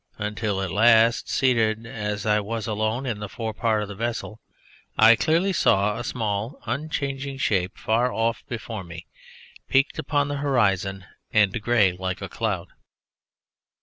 Until at last, seated as I was alone in the fore part of the vessel, I clearly saw a small unchanging shape far off before me, peaked upon the horizon and grey like a cloud.